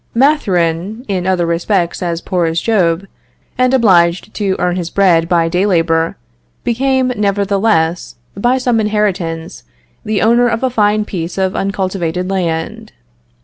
Mathurin, in other respects as poor as Job, and obliged to earn his bread by day labor, became, nevertheless, by some inheritance, the owner of a fine piece of uncultivated land.